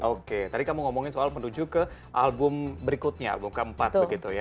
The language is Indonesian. oke tadi kamu ngomongin soal menuju ke album berikutnya album keempat begitu ya